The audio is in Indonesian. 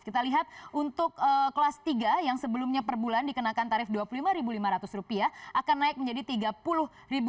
kita lihat untuk kelas tiga yang sebelumnya per bulan dikenakan tarif rp dua puluh lima lima ratus akan naik menjadi rp tiga puluh